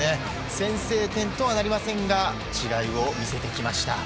先制点とはなりませんが違いを見せてきました。